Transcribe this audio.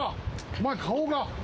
お前顔が。